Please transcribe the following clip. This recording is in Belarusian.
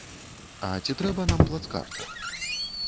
А ці трэба нам плацкарта?